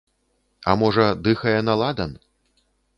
А можа, дыхае на ладан?